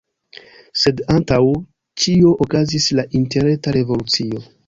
Sed antaŭ ĉio okazis la interreta revolucio.